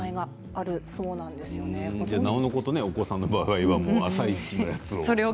なおのことお子さんの場合は朝いちのやつを。